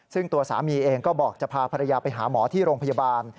ซึ่งตัวสามีเองก็บอกจะพาภรรยาไปหาหมอที่โรงพยาบาล